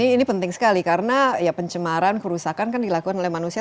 ini penting sekali karena ya pencemaran kerusakan kan dilakukan oleh manusia